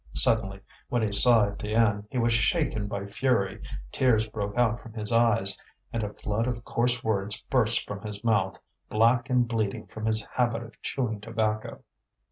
Suddenly, when he saw Étienne, he was shaken by fury, tears broke out from his eyes, and a flood of coarse words burst from his mouth, black and bleeding from his habit of chewing tobacco.